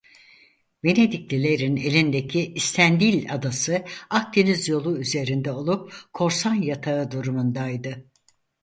Venediklilerin elindeki İstendil adası Akdeniz yolu üzerinde olup korsan yatağı durumundaydı.